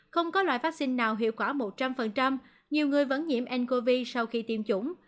không có loại vaccine nào hiệu quả một trăm linh nhiều người vẫn nhiễm ncov sau khi tiêm chủng